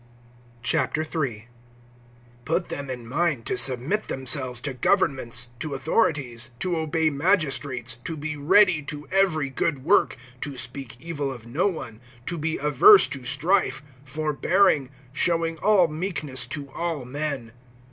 III. PUT them in mind to submit themselves to governments, to authorities, to obey magistrates, to be ready to every good work, (2)to speak evil of no one, to be averse to strife, forbearing, showing all meekness to all men.